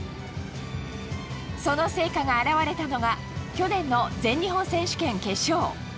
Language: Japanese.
その成果が表れたのが去年の全日本選手権決勝。